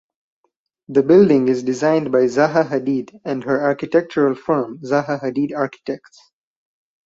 The building is designed by Zaha Hadid and her architectural firm Zaha Hadid Architects.